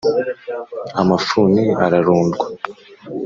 Amafuni ararundwa